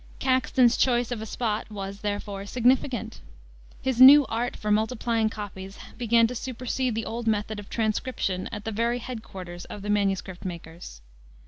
Caxton's choice of a spot was, therefore, significant. His new art for multiplying copies began to supersede the old method of transcription at the very head quarters of the MS. makers.